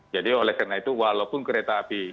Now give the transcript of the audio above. jadi oleh karena itu walaupun kereta api